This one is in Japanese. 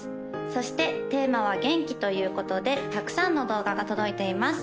そしてテーマは「元気」ということでたくさんの動画が届いています